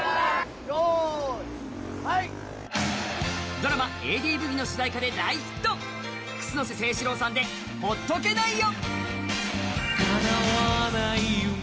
ドラマ「ＡＤブギ」の主題歌で大ヒット、楠瀬誠志郎さんで「ほっとけないよ」。